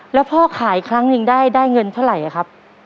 แล้วพ่อขายครั้งหนึ่งได้เงินเท่าไหร่ครับ